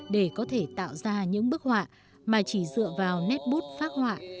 để có thể tạo ra những bức họa mà chỉ dựa vào nét bút phác họa